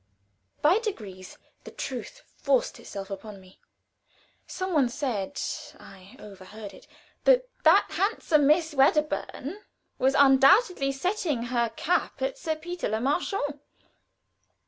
By degrees the truth forced itself upon me. Some one said I overheard it that "that handsome Miss Wedderburn was undoubtedly setting her cap at Sir Peter Le Marchant."